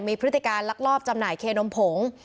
มีพฤติการลักลอบจำหน่ายเคนมผง